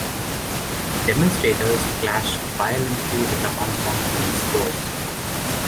Demonstrators clashed violently with the Hong Kong Police Force.